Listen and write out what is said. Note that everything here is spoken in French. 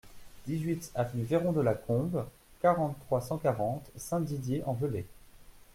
dix-huit avenue Veron de la Combe, quarante-trois, cent quarante, Saint-Didier-en-Velay